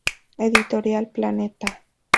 Editorial planeta.